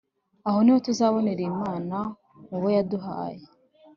aho niho tuzabonera imana mu bo yaduhaye